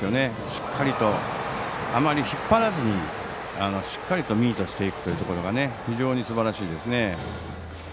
しっかりと、あまり引っ張らずにミートしていくところが非常にすばらしいですね。